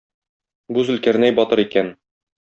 Бу Зөлкарнәй батыр икән.